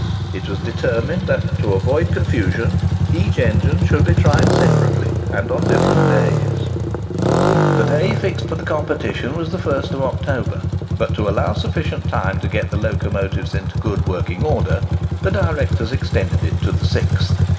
It was determined that, to avoid confusion, each engine should be tried separately, and on different days. [Picture: Locomotive competition at Rainhill] The day fixed for the competition was the 1st of October, but to allow sufficient time to get the locomotives into good working order, the directors extended it to the 6th.